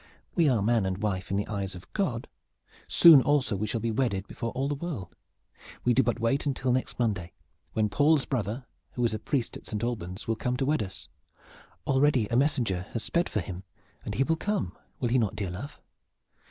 "We are man and wife in the eyes of God. Soon also we shall be wedded before all the world. We do but wait until next Monday when Paul's brother, who is a priest at St. Albans, will come to wed us. Already a messenger has sped for him, and he will come, will he not, dear love?"